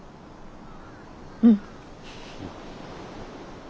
うん。